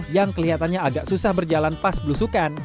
yang kelihatannya agak susah berjalan pas belusukan